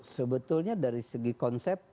sebetulnya dari segi konsep